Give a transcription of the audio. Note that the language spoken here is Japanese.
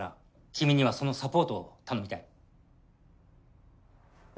君にはそのサポートを頼みたい